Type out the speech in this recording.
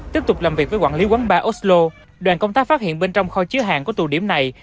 tiếp tục làm việc với quản lý quán ba oslo đoàn công tác phát hiện bên trong kho chứa hàng của tụ điểm này